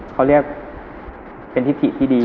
เขาเรียกเป็นทิศถิที่ดี